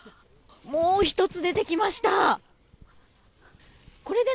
もう１つ出てきました！